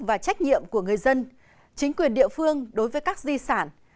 và trách nhiệm của người dân chính quyền địa phương đối với các di sản